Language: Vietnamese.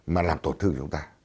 mà làm tổn thương chúng ta